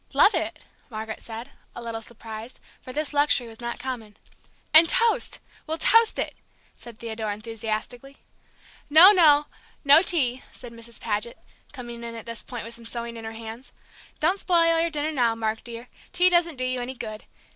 "Love it!" Margaret said, a little surprised, for this luxury was not common. "And toast we'll toast it!" said Theodore, enthusiastically. "No, no no tea!" said Mrs. Paget, coming in at this point with some sewing in her hands. "Don't spoil your dinner, now, Mark dear; tea doesn't do you any good.